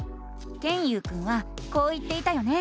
ケンユウくんはこう言っていたよね。